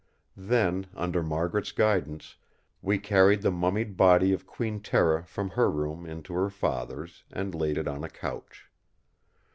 Then, under Margaret's guidance, we carried the mummied body of Queen Tera from her room into her father's, and laid it on a couch.